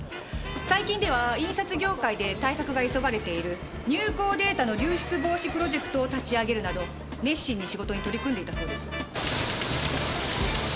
最近では印刷業界で対策が急がれている入稿データの流出防止プロジェクトを立ち上げるなど熱心に仕事に取り組んでいたそうです。